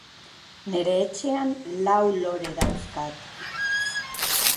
Matematika bizipen errealetara hurbildu eta objektu ukigarriekin lantzea proposatzen du irakasleak.